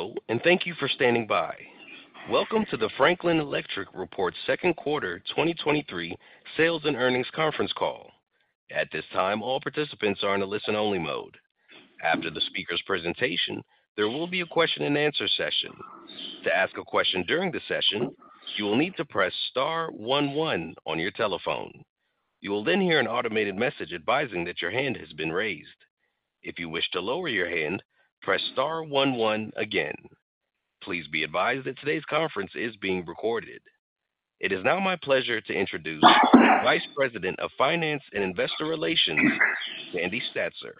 Hello, thank you for standing by. Welcome to the Franklin Electric Report, Q2 2023 Sales and Earnings Conference Call. At this time, all participants are in a listen-only mode. After the speaker's presentation, there will be a question-and-answer session. To ask a question during the session, you will need to press star one one on your telephone. You will hear an automated message advising that your hand has been raised. If you wish to lower your hand, press star one one again. Please be advised that today's conference is being recorded. It is now my pleasure to introduce Vice President of Finance and Investor Relations, Sandy Statzer.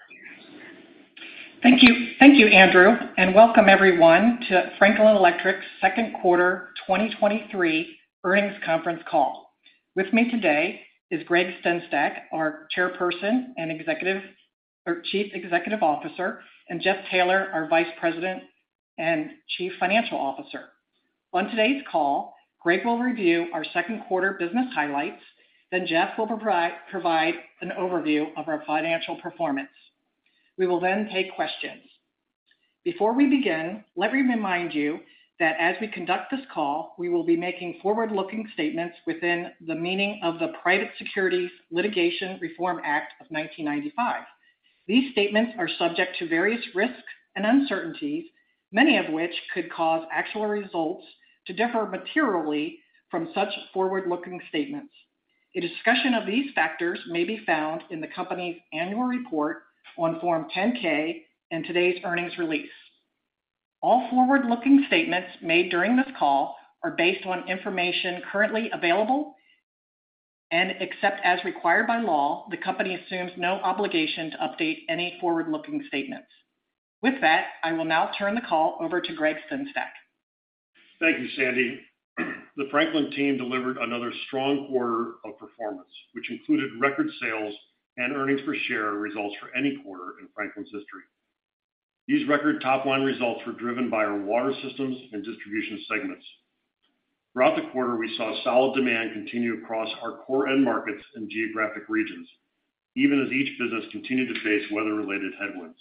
Thank you. Thank you, Andrew, welcome everyone to Franklin Electric's Q2 2023 earnings conference call. With me today is Gregg Sengstack, our Chairperson and Chief Executive Officer, Jeff Taylor, our Vice President and Chief Financial Officer. On today's call, Gregg will review our Q2 business highlights, Jeff will provide an overview of our financial performance. We will then take questions. Before we begin, let me remind you that as we conduct this call, we will be making forward-looking statements within the meaning of the Private Securities Litigation Reform Act of 1995. These statements are subject to various risks and uncertainties, many of which could cause actual results to differ materially from such forward-looking statements. A discussion of these factors may be found in the company's annual report on Form 10-K and today's earnings release. All forward-looking statements made during this call are based on information currently available, and except as required by law, the company assumes no obligation to update any forward-looking statements. With that, I will now turn the call over to Gregg Sengstack. Thank you, Sandy. The Franklin team delivered another strong quarter of performance, which included record sales and earnings per share results for any quarter in Franklin's history. These record top-line results were driven by our Water Systems and Distribution segments. Throughout the quarter, we saw solid demand continue across our core end markets and geographic regions, even as each business continued to face weather-related headwinds.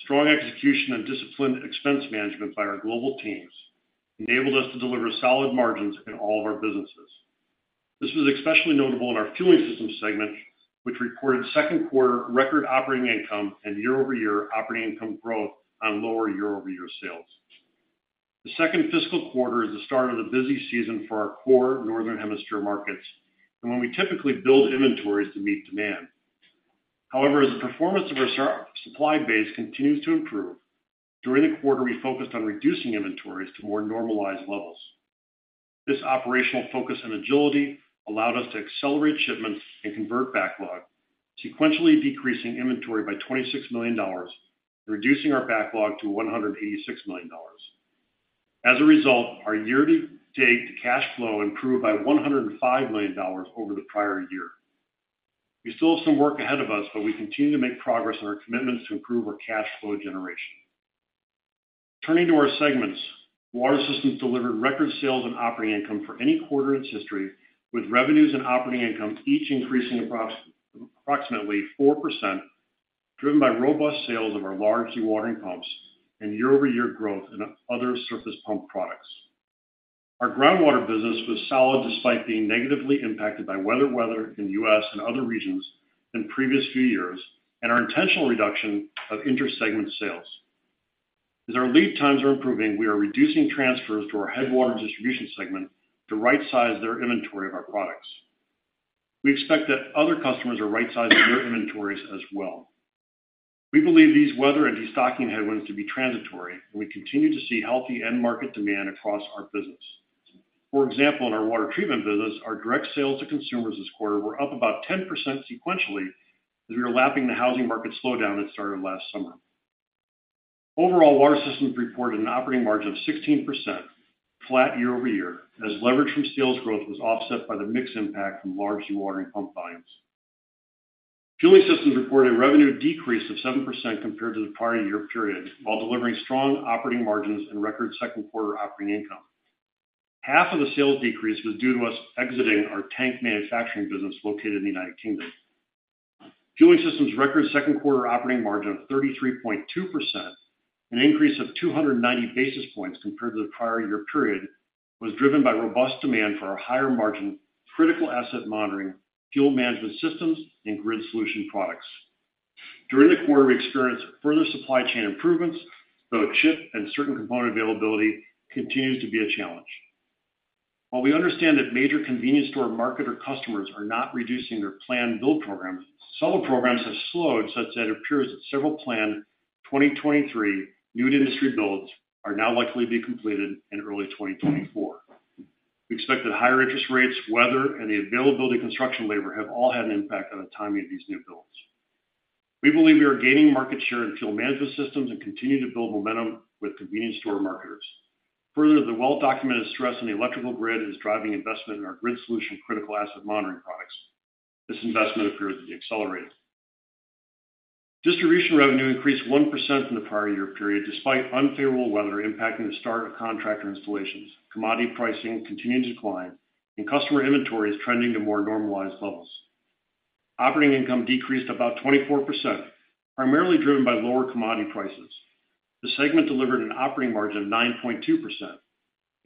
Strong execution and disciplined expense management by our global teams enabled us to deliver solid margins in all of our businesses. This was especially notable in the Fueling Systems segment, which recorded Q2 record operating income and year-over-year operating income growth on lower year-over-year sales. The second fiscal quarter is the start of the busy season for our core Northern Hemisphere markets and when we typically build inventories to meet demand. However, as the performance of our supply base continues to improve, during the quarter, we focused on reducing inventories to more normalized levels. This operational focus and agility allowed us to accelerate shipments and convert backlog, sequentially decreasing inventory by $26 million, reducing our backlog to $186 million. As a result, our year-to-date cash flow improved by $105 million over the prior year. We still have some work ahead of us, but we continue to make progress on our commitments to improve our cash flow generation. Turning to our segments, Water Systems delivered record sales and operating income for any quarter in its history, with revenues and operating income each increasing approximately 4%, driven by robust sales of our large dewatering pumps and year-over-year growth in other surface pump products. Our groundwater business was solid despite being negatively impacted by weather in the U.S. and other regions in previous few years, and our intentional reduction of intersegment sales. As our lead times are improving, we are reducing transfers to our Headwater Distribution segment to rightsize their inventory of our products. We expect that other customers are rightsizing their inventories as well. We believe these weather and destocking headwinds to be transitory, and we continue to see healthy end market demand across our business. For example, in our water treatment business, our direct sales to consumers this quarter were up about 10% sequentially as we were lapping the housing market slowdown that started last summer. Overall, Water Systems reported an operating margin of 16%, flat year-over-year, as leverage from sales growth was offset by the mix impact from large dewatering pump volumes. Fueling Systems reported a revenue decrease of 7% compared to the prior year period, while delivering strong operating margins and record Q2 operating income. Half of the sales decrease was due to us exiting our tank manufacturing business located in the United Kingdom. Fueling Systems' record Q2 operating margin of 33.2%, an increase of 290 basis points compared to the prior year period, was driven by robust demand for our higher margin, critical asset monitoring, fuel management systems, and grid solutions products. During the quarter, we experienced further supply chain improvements, though chip and certain component availability continues to be a challenge. While we understand that major convenience store marketer customers are not reducing their planned build programs, some of the programs have slowed such that it appears that several planned 2023 new industry builds are now likely to be completed in early 2024. We expect that higher interest rates, weather, and the availability of construction labor have all had an impact on the timing of these new builds. We believe we are gaining market share in fuel management systems and continue to build momentum with convenience store marketers. Further, the well-documented stress on the electrical grid is driving investment in our Grid Solutions critical asset monitoring products. This investment appears to be accelerating. Distribution revenue increased 1% from the prior year period, despite unfavorable weather impacting the start of contractor installations. Commodity pricing continued to decline, customer inventory is trending to more normalized levels. Operating income decreased about 24%, primarily driven by lower commodity prices. The segment delivered an operating margin of 9.2%,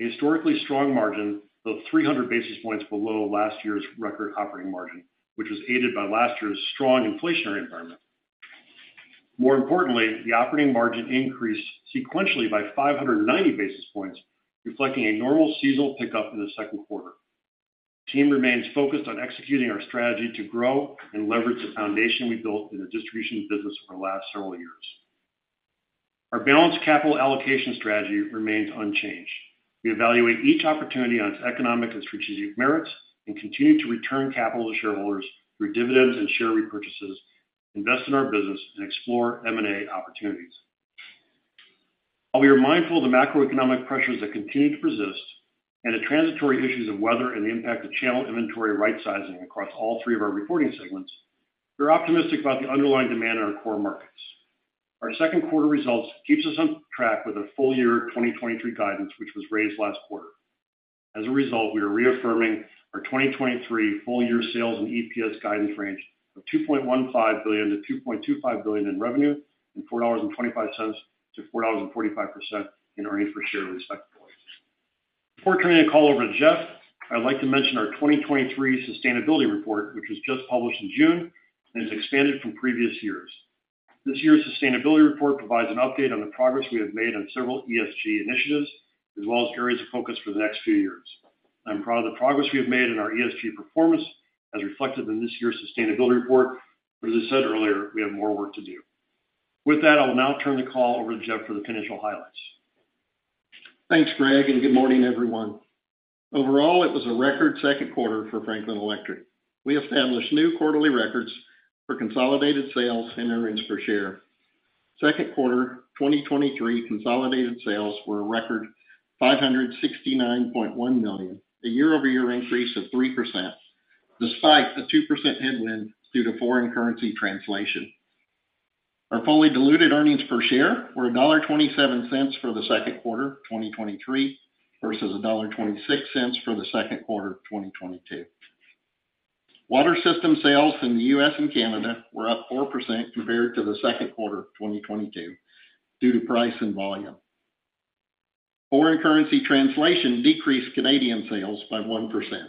a historically strong margin of 300 basis points below last year's record operating margin, which was aided by last year's strong inflationary environment. More importantly, the operating margin increased sequentially by 590 basis points, reflecting a normal seasonal pickup in the Q2. The team remains focused on executing our strategy to grow and leverage the foundation we built in the Distribution business over the last several years. Our balanced capital allocation strategy remains unchanged. We evaluate each opportunity on its economic and strategic merits, and continue to return capital to shareholders through dividends and share repurchases, invest in our business and explore M&A opportunities. We are mindful of the macroeconomic pressures that continue to persist and the transitory issues of weather and the impact of channel inventory rightsizing across all three of our reporting segments, we're optimistic about the underlying demand in our core markets. Our Q2 results keeps us on track with the full year 2023 guidance, which was raised last quarter. We are reaffirming our 2023 full-year sales and EPS guidance range of $2.15 billion-$2.25 billion in revenue and $4.25 to $4.45 percent in earnings per share, respectively. Before turning the call over to Jeff, I'd like to mention our 2023 sustainability report, which was just published in June and is expanded from previous years. This year's sustainability report provides an update on the progress we have made on several ESG initiatives, as well as areas of focus for the next few years. I'm proud of the progress we have made in our ESG performance, as reflected in this year's sustainability report, but as I said earlier, we have more work to do. With that, I will now turn the call over to Jeff for the financial highlights. Thanks, Gregg. Good morning, everyone. Overall, it was a record Q2 for Franklin Electric. We established new quarterly records for consolidated sales and earnings per share. Q2 2023 consolidated sales were a record $569.1 million, a year-over-year increase of 3%, despite a 2% headwind due to foreign currency translation. Our fully diluted earnings per share were $1.27 for the Q2 of 2023, versus $1.26 for the Q2 of 2022. Water Systems sales in the US and Canada were up 4% compared to the Q2 of 2022 due to price and volume. Foreign currency translation decreased Canadian sales by 1%.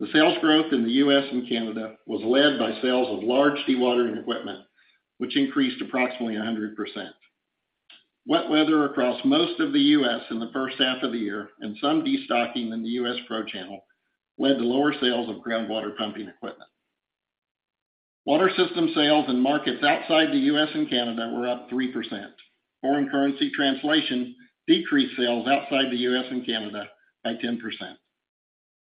The sales growth in the US and Canada was led by sales of large dewatering equipment, which increased approximately 100%. Wet weather across most of the U.S. in the first half of the year and some destocking in the U.S. Pro channel led to lower sales of groundwater pumping equipment. Water Systems sales in markets outside the U.S. and Canada were up 3%. Foreign currency translation decreased sales outside the U.S. and Canada by 10%.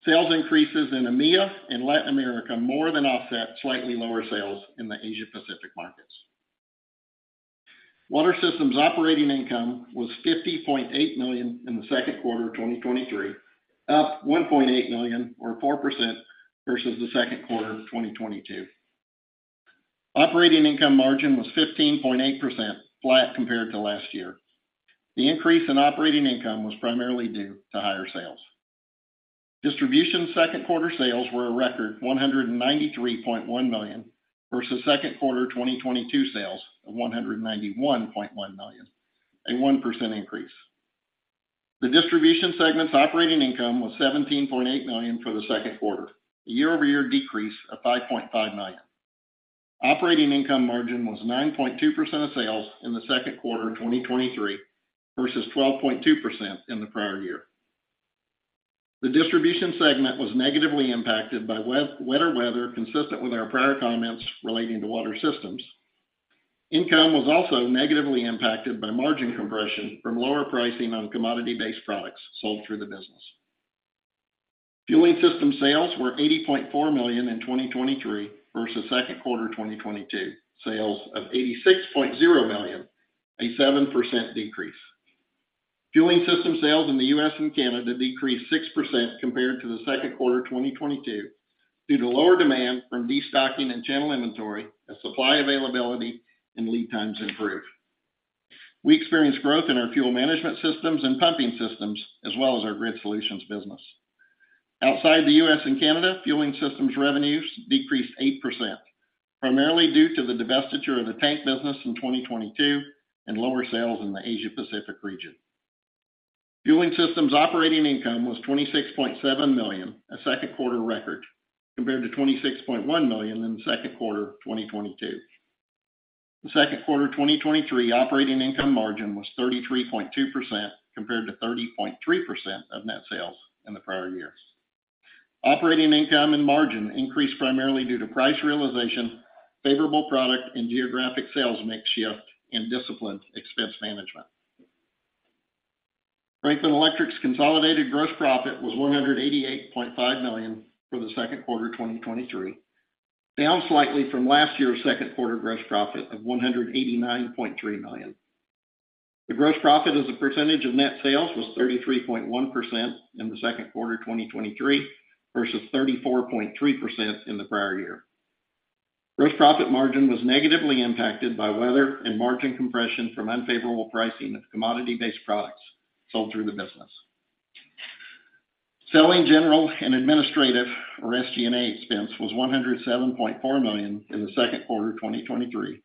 Sales increases in EMEA and Latin America more than offset slightly lower sales in the Asia Pacific markets. Water Systems operating income was $50.8 million in the Q2 of 2023, up $1.8 million or 4% versus the Q2 of 2022. Operating income margin was 15.8%, flat compared to last year. The increase in operating income was primarily due to higher sales. Distribution Q2 sales were a record $193.1 million, versus Q2 2022 sales of $191.1 million, a 1% increase. The Distribution segment's operating income was $17.8 million for the Q2, a year-over-year decrease of $5.5 million. Operating income margin was 9.2% of sales in the Q2 of 2023, versus 12.2% in the prior year. The Distribution segment was negatively impacted by wetter weather, consistent with our prior comments relating to Water Systems. Income was also negatively impacted by margin compression from lower pricing on commodity-based products sold through the business. Fueling Systems sales were $80.4 million in 2023 versus Q2 2022, sales of $86.0 million, a 7% decrease. Fueling Systems sales in the U.S. and Canada decreased 6% compared to the Q2 of 2022 due to lower demand from destocking and channel inventory as supply availability and lead times improved. We experienced growth in our fuel management systems and pumping systems, as well as our grid solutions business. Outside the U.S. and Canada, Fueling Systems revenues decreased 8%, primarily due to the divestiture of the tank business in 2022 and lower sales in the Asia Pacific region. Fueling Systems operating income was $26.7 million, a Q2 record, compared to $26.1 million in the Q2 of 2022. The Q2 of 2023, operating income margin was 33.2%, compared to 30.3% of net sales in the prior years. Operating income and margin increased primarily due to price realization, favorable product and geographic sales mix shift, and disciplined expense management. Franklin Electric's consolidated gross profit was $188.5 million for the Q2 of 2023, down slightly from last year's Q2 gross profit of $189.3 million. The gross profit as a percentage of net sales was 33.1% in the Q2 of 2023, versus 34.3% in the prior year. Gross profit margin was negatively impacted by weather and margin compression from unfavorable pricing of commodity-based products sold through the business. Selling, general, and administrative, or SG&A expense was $107.4 million in the Q2 of 2023,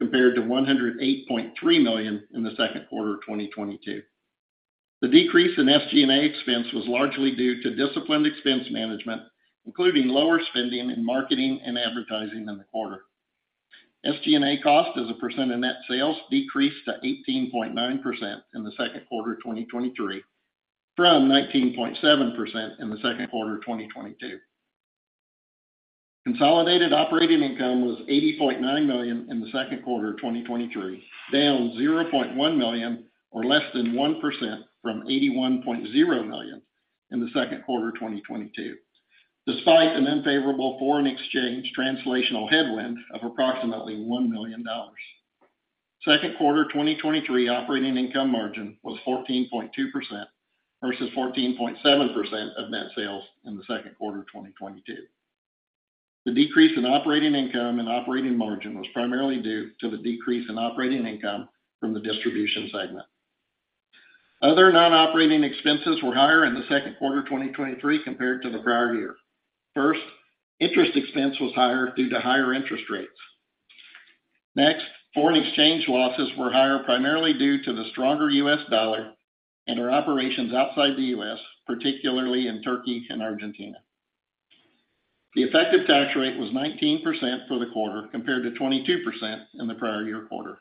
compared to $108.3 million in the Q2 of 2022. The decrease in SG&A expense was largely due to disciplined expense management, including lower spending in marketing and advertising in the quarter. SG&A cost as a percent of net sales decreased to 18.9% in the Q2 of 2023, from 19.7% in the Q2 of 2022. Consolidated operating income was $84.9 million in the Q2 of 2023, down $0.1 million, or less than 1% from $81.0 million in the Q2 of 2022, despite an unfavorable foreign exchange translational headwind of approximately $1 million. Q2 2023 operating income margin was 14.2% versus 14.7% of net sales in the Q2 of 2022. The decrease in operating income and operating margin was primarily due to the decrease in operating income from the Distribution segment. Interest expense was higher due to higher interest rates. Foreign exchange losses were higher, primarily due to the stronger US dollar and our operations outside the U.S., particularly in Turkey and Argentina. The effective tax rate was 19% for the quarter, compared to 22% in the prior year quarter.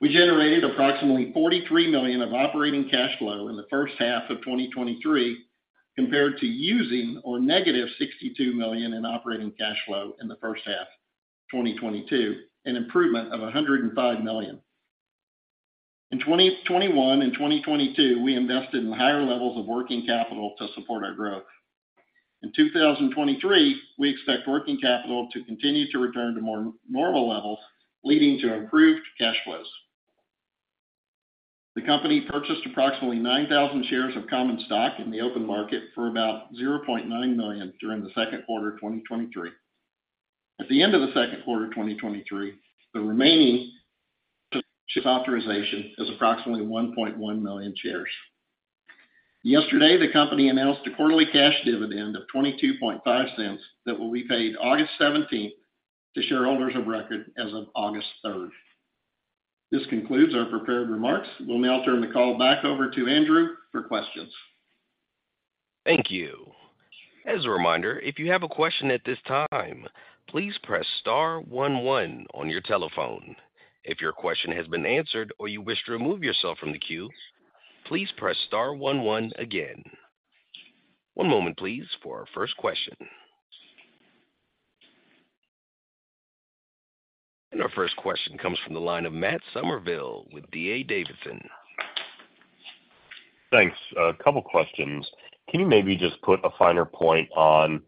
We generated approximately $43 million of operating cash flow in the first half of 2023, compared to using or negative $62 million in operating cash flow in the first half 2022, an improvement of $105 million. In 2021 and 2022, we invested in higher levels of working capital to support our growth. In 2023, we expect working capital to continue to return to more normal levels, leading to improved cash flows. The company purchased approximately 9,000 shares of common stock in the open market for about $0.9 million during the Q2 of 2023. At the end of the Q2 2023, the remaining share authorization is approximately 1.1 million shares. Yesterday, the company announced a quarterly cash dividend of $0.225 that will be paid August 17th to shareholders of record as of August 3rd. This concludes our prepared remarks. We'll now turn the call back over to Andrew for questions. Thank you. As a reminder, if you have a question at this time, please press star 1 1 on your telephone. If your question has been answered or you wish to remove yourself from the queue, please press star 1 1 again. One moment, please, for our first question. Our first question comes from the line of Matt Summerville with D.A. Davidson. Thanks. A couple of questions. Can you maybe just put a finer point on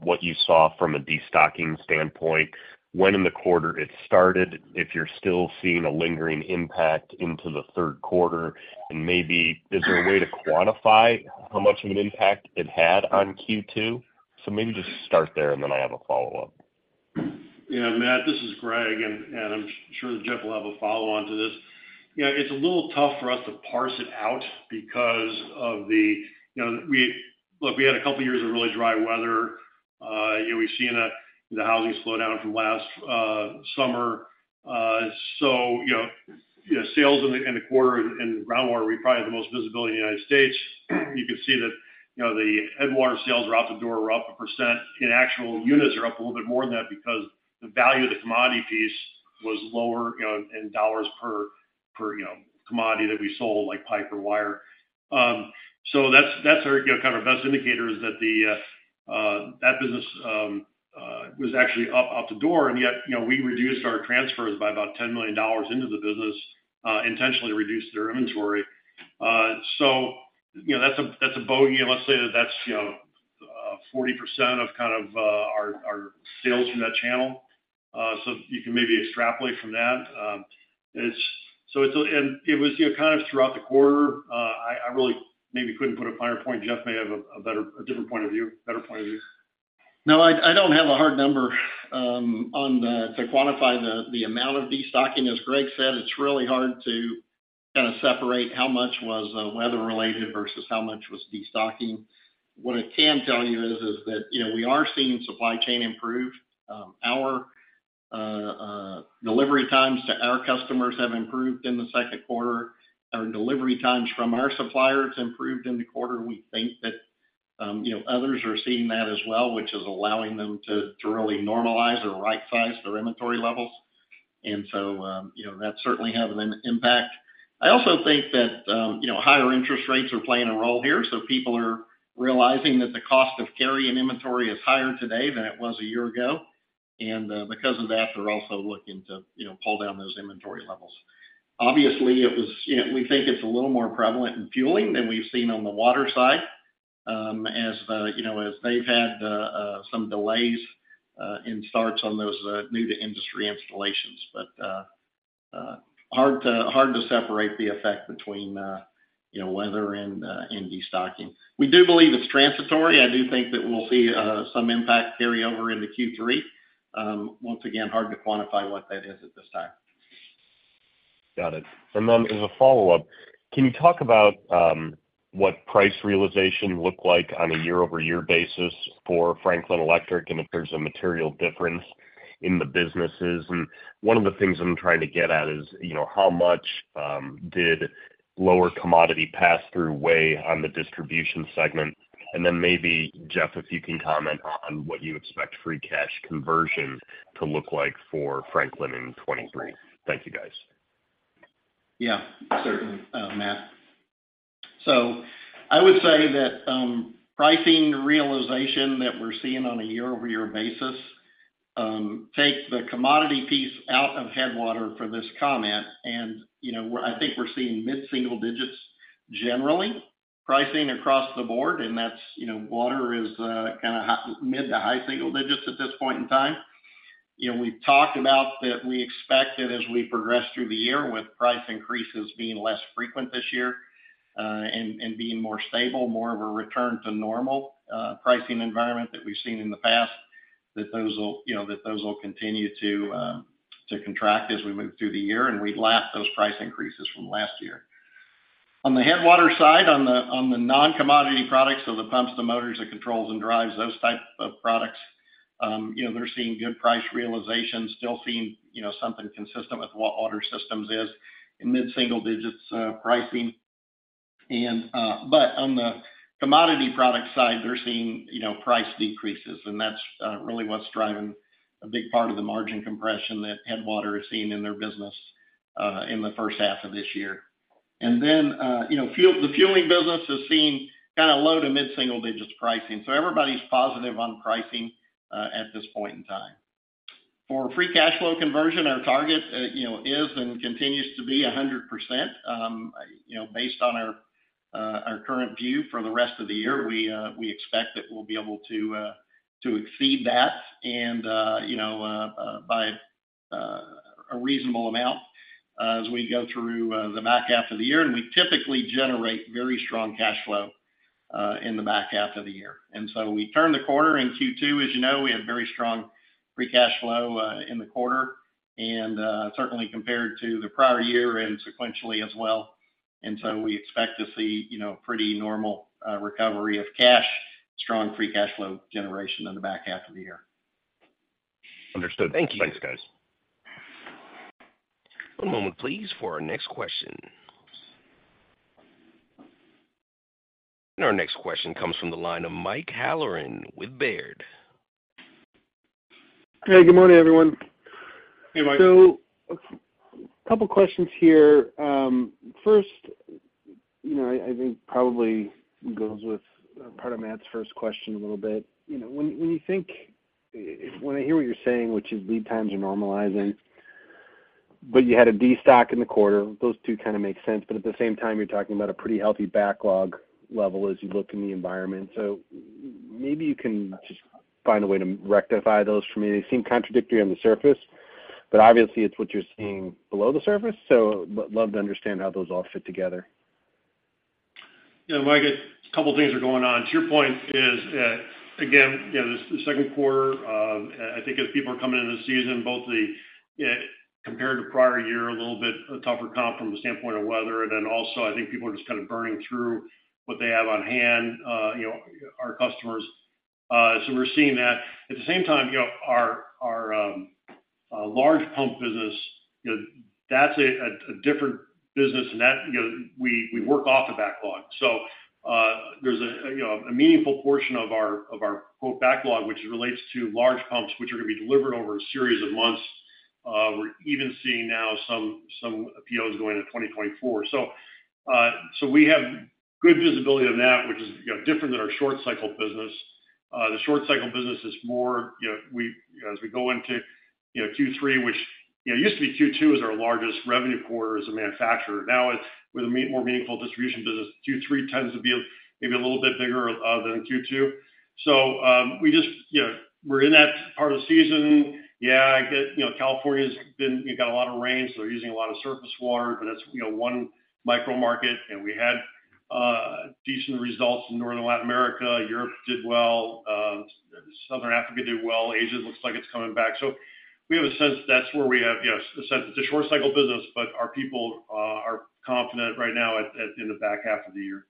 what you saw from a destocking standpoint, when in the quarter it started, if you're still seeing a lingering impact into the Q3, and maybe is there a way to quantify how much of an impact it had on Q2? Maybe just start there, and then I have a follow-up. Yeah, Matt, this is Gregg, and I'm sure Jeff will have a follow-on to this. You know, it's a little tough for us to parse it out because of the, you know, look, we had a couple of years of really dry weather. You know, we've seen the housing slow down from last summer. You know, sales in the, in the quarter in groundwater, we probably have the most visibility in the United States. You can see that, you know, the Headwater sales are out the door, are up 1%. In actual units are up a little bit more than that because the value of the commodity piece was lower, you know, in dollars per, you know, commodity that we sold, like pipe or wire. That's, that's our, you know, kind of best indicator is that the that business was actually up out the door. Yet, you know, we reduced our transfers by about $10 million into the business, intentionally reduced their inventory. You know, that's a, that's a bogey. Let's say that that's, you know, 40% of kind of our sales from that channel. You can maybe extrapolate from that. It's. It was, you know, kind of throughout the quarter. I really maybe couldn't put a finer point. Jeff may have a better, a different point of view, a better point of view. No, I don't have a hard number on that to quantify the amount of destocking. As Gregg said, it's really hard to kinda separate how much was weather-related versus how much was destocking. What I can tell you is that, you know, we are seeing supply chain improve. Our delivery times to our customers have improved in the Q2. Our delivery times from our suppliers improved in the quarter. We think that, you know, others are seeing that as well, which is allowing them to really normalize or right-size their inventory levels. You know, that certainly has an impact. I also think that, you know, higher interest rates are playing a role here. People are realizing that the cost of carrying inventory is higher today than it was a year ago, because of that, they're also looking to, you know, pull down those inventory levels. Obviously, it was, you know, we think it's a little more prevalent in fueling than we've seen on the water side, as the, you know, as they've had some delays in starts on those new to industry installations. Hard to separate the effect between, you know, weather and destocking. We do believe it's transitory. I do think that we'll see some impact carry over into Q3. Once again, hard to quantify what that is at this time. Got it. As a follow-up, can you talk about what price realization looked like on a year-over-year basis for Franklin Electric, and if there's a material difference in the businesses? One of the things I'm trying to get at is, you know, how much did lower commodity pass through weigh on the Distribution segment? Maybe, Jeff, if you can comment on what you expect free cash conversion to look like for Franklin in 2023. Thank you, guys. Yeah, certainly, Matt. I would say that pricing realization that we're seeing on a year-over-year basis, take the commodity piece out of Headwater for this comment. you know, I think we're seeing mid-single digits, generally, pricing across the board, and that's, you know, water is kind of high- mid to high single digits at this point in time. You know, we've talked about that we expect that as we progress through the year, with price increases being less frequent this year, and being more stable, more of a return to normal pricing environment that we've seen in the past, that those will, you know, that those will continue to contract as we move through the year, and we lap those price increases from last year. On the Headwater side, on the, on the non-commodity products, so the pumps, the motors, the controls, and drives, those type of products, you know, they're seeing good price realization. Still seeing, you know, something consistent with what Water Systems is in mid-single digits pricing. But on the commodity product side, they're seeing, you know, price decreases, and that's really what's driving a big part of the margin compression that Headwater is seeing in their business in the first half of this year. You know, the fueling business is seeing kind of low to mid single digits pricing. Everybody's positive on pricing at this point in time. For free cash flow conversion, our target, you know, is and continues to be 100%. You know, based on our current view for the rest of the year, we expect that we'll be able to exceed that and, you know, by a reasonable amount as we go through the back half of the year. We typically generate very strong cash flow in the back half of the year. We turned the quarter in Q2. As you know, we had very strong free cash flow in the quarter, and certainly compared to the prior year and sequentially as well. We expect to see, you know, pretty normal recovery of cash, strong free cash flow generation in the back half of the year. Understood. Thank you. Thanks, guys. One moment, please, for our next question. Our next question comes from the line of Mike Halloran with Baird. Hey, good morning, everyone. Hey, Mike. A couple questions here. First, you know, I think probably goes with part of Matt's first question a little bit. You know, when I hear what you're saying, which is lead times are normalizing, but you had a destock in the quarter, those two kind of make sense. At the same time, you're talking about a pretty healthy backlog level as you look in the environment. Maybe you can just find a way to rectify those for me. They seem contradictory on the surface, but obviously, it's what you're seeing below the surface. Would love to understand how those all fit together. Yeah, Mike, a couple of things are going on. To your point is that, again, you know, the Q2, I think as people are coming into the season, both the compared to prior year, a little bit a tougher comp from the standpoint of weather. Also, I think people are just kind of burning through what they have on hand, you know, our customers. We're seeing that. At the same time, you know, our large pump business, you know, that's a different business, and that, you know, we work off of backlog. There's a, you know, a meaningful portion of our quote, backlog, which relates to large pumps, which are going to be delivered over a series of months. We're even seeing now some POs going to 2024. We have good visibility on that, which is, you know, different than our short cycle business. The short cycle business is more, you know, as we go into, you know, Q3, which, you know, it used to be Q2 is our largest revenue quarter as a manufacturer. Now, it's with a more meaningful distribution business, Q3 tends to be a, maybe a little bit bigger than Q2. We just, you know, we're in that part of the season. Yeah, You know, California has been, you got a lot of rain, so they're using a lot of surface water. That's, you know, one micro market. We had decent results in Northern Latin America. Europe did well, Southern Africa did well. Asia looks like it's coming back. We have a sense that's where we have, you know, a sense it's a short cycle business, but our people are confident right now at in the back half of the year.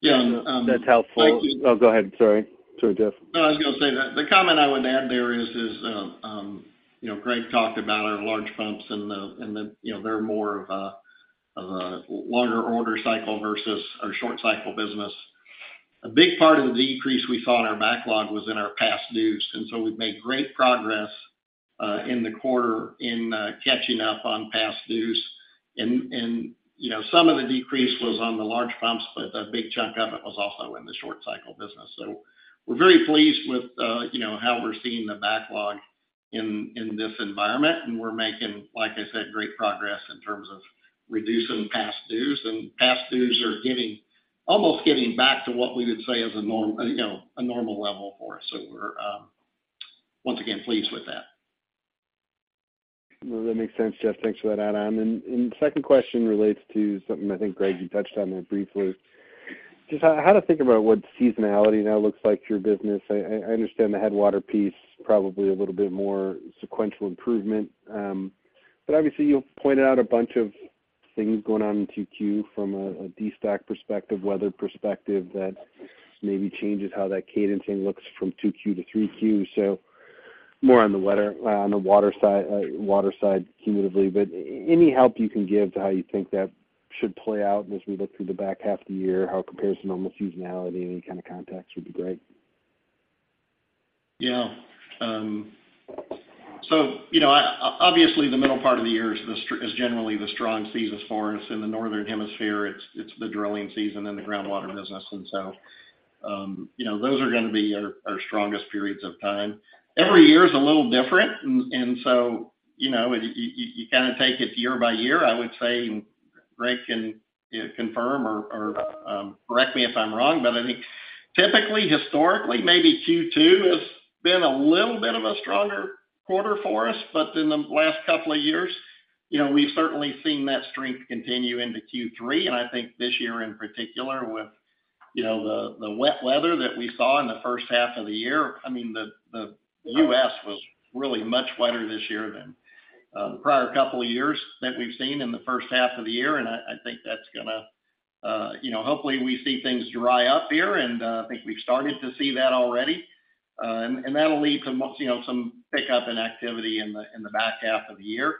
Yeah. That's helpful. Thank you. Oh, go ahead, sorry. Sorry, Jeff. I was going to say that the comment I would add there is, you know, Greg talked about our large pumps and the, you know, they're more of a longer order cycle versus our short cycle business. A big part of the decrease we saw in our backlog was in our past dues, we've made great progress in the quarter catching up on past dues. You know, some of the decrease was on the large pumps, but a big chunk of it was also in the short cycle business. We're very pleased with, you know, how we're seeing the backlog in this environment, and we're making, like I said, great progress in terms of reducing past dues. Past dues are almost getting back to what we would say is a norm, you know, a normal level for us. We're once again, pleased with that. Well, that makes sense, Jeff. Thanks for that add on. Second question relates to something I think, Gregg, you touched on there briefly. Just how to think about what seasonality now looks like to your business? I understand the Headwater piece, probably a little bit more sequential improvement. Obviously, you've pointed out a bunch of things going on in Q2 from a destock perspective, weather perspective, that maybe changes how that cadencing looks from Q2 to Q3. More on the weather, on the water side, cumulatively. Any help you can give to how you think that should play out as we look through the back half of the year, how it compares to normal seasonality, any kind of context would be great. Yeah. You know, obviously, the middle part of the year is generally the strong season for us. In the Northern Hemisphere, it's the drilling season in the groundwater business, you know, those are gonna be our strongest periods of time. Every year is a little different, you know, you kind of take it year by year. I would say, Gregg can confirm or correct me if I'm wrong, but I think typically, historically, maybe Q2 has been a little bit of a stronger quarter for us. In the last couple of years, you know, we've certainly seen that strength continue into Q3, and I think this year, in particular, with, you know, the wet weather that we saw in the first half of the year, I mean, the US was really much wetter this year than the prior couple of years that we've seen in the first half of the year. I think that's gonna, you know, Hopefully, we see things dry up here, and I think we've started to see that already. And that'll lead to you know, some pickup in activity in the back half of the year.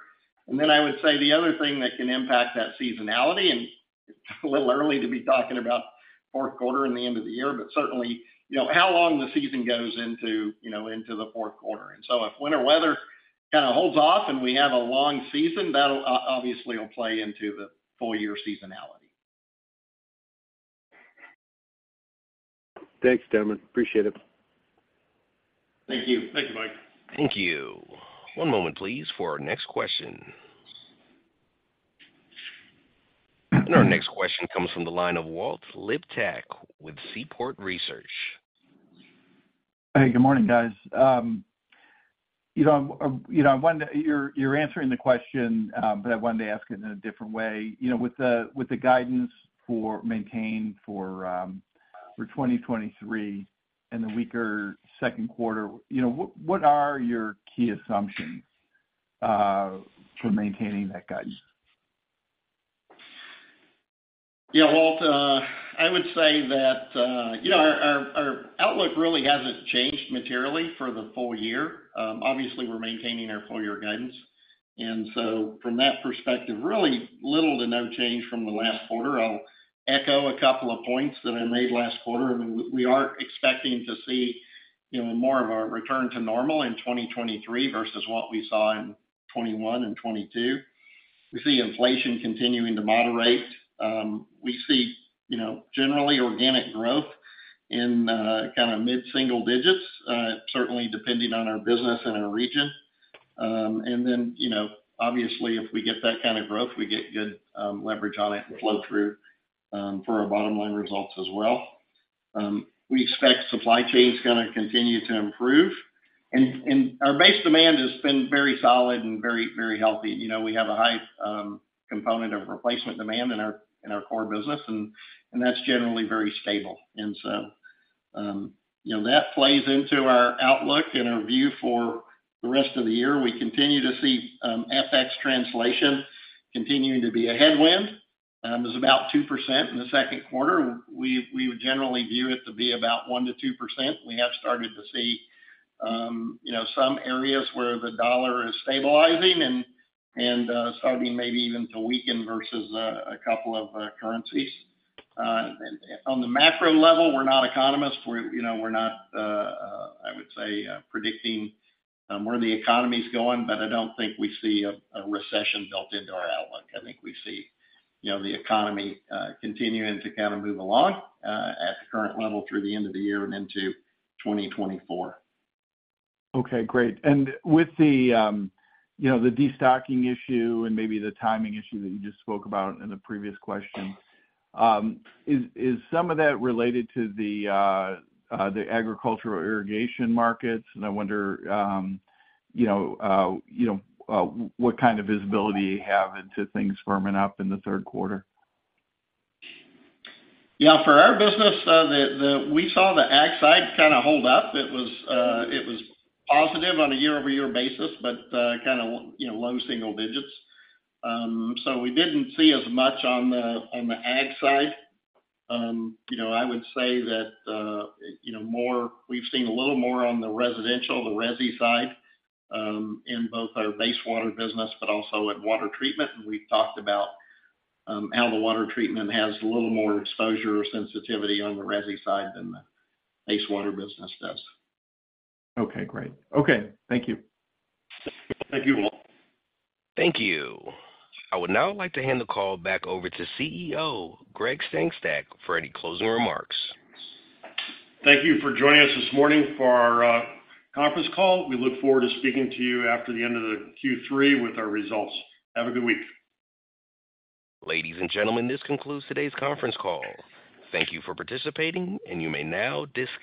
I would say the other thing that can impact that seasonality. It's a little early to be talking about Q4 and the end of the year. Certainly, you know, how long the season goes into, you know, into the Q4. If winter weather kinda holds off and we have a long season, that'll obviously play into the full year seasonality. Thanks, gentlemen. Appreciate it. Thank you. Thank you, Mike. Thank you. One moment, please, for our next question. Our next question comes from the line of Walt Liptak with Seaport Research. Hey, good morning, guys. You know, you know, You're answering the question, but I wanted to ask it in a different way. You know, with the guidance maintained for 2023 and the weaker Q2, you know, what are your key assumptions for maintaining that guidance? Yeah, Walt, I would say that, you know, our outlook really hasn't changed materially for the full year. Obviously, we're maintaining our full-year guidance. From that perspective, really little to no change from the last quarter. I'll echo a couple of points that I made last quarter. I mean, we are expecting to see, you know, more of a return to normal in 2023 versus what we saw in 2021 and 2022. We see inflation continuing to moderate. We see, you know, generally organic growth in kind of mid-single digits, certainly depending on our business and our region. You know, obviously, if we get that kind of growth, we get good leverage on it and flow through for our bottom line results as well. We expect supply chain is gonna continue to improve, and our base demand has been very solid and very, very healthy. You know, we have a high component of replacement demand in our core business, and that's generally very stable. You know, that plays into our outlook and our view for the rest of the year. We continue to see FX translation continuing to be a headwind. It's about 2% in the Q2. We would generally view it to be about 1%-2%. We have started to see, you know, some areas where the dollar is stabilizing and starting maybe even to weaken versus a couple of currencies. On the macro level, we're not economists. We're, you know, we're not, I would say, predicting, where the economy is going, but I don't think we see a recession built into our outlook. I think we see, you know, the economy, continuing to kind of move along, at the current level through the end of the year and into 2024. Okay, great. With the, you know, the destocking issue and maybe the timing issue that you just spoke about in the previous question, is some of that related to the agricultural irrigation markets? I wonder, you know, you know, what kind of visibility you have into things firming up in the Q3? Yeah. For our business, we saw the ag side kinda hold up. It was positive on a year-over-year basis, but kinda, you know, low single digits. So we didn't see as much on the, on the ag side. You know, I would say that, you know, we've seen a little more on the residential, the resi side, in both our base water business, but also at water treatment. We've talked about how the water treatment has a little more exposure or sensitivity on the resi side than the base water business does. Okay, great. Okay, thank you. Thank you, Walt. Thank you. I would now like to hand the call back over to CEO, Greg Sengstack, for any closing remarks. Thank you for joining us this morning for our conference call. We look forward to speaking to you after the end of the Q3 with our results. Have a good week. Ladies and gentlemen, this concludes today's conference call. Thank you for participating, and you may now disconnect.